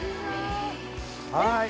はい。